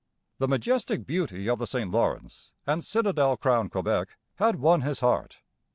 The majestic beauty of the St Lawrence and citadel crowned Quebec had won his heart.